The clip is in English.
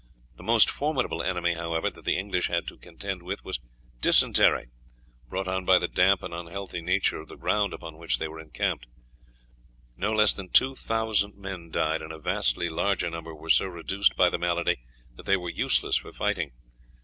The most formidable enemy, however, that the English had to contend with was dysentery, brought on by the damp and unhealthy nature of the ground upon which they were encamped. No less than two thousand men died, and a vastly larger number were so reduced by the malady that they were useless for fighting.